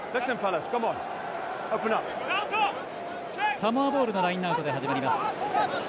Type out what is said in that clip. サモアボールのラインアウトで始まります。